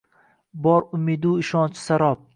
Bor umidu ishonchi sarob